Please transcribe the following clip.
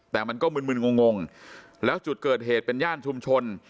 แต่มันก็มึนงงแล้วจุดเกิดเหตุเป็นย่านชุมชน